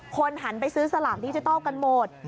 คนหันไปซื้อสลากนี้จะเต้ากันหมด